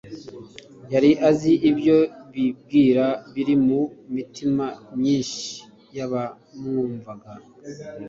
Yari azi ibyo bibwira biri mu mitima myinshi y'abamwumvaga,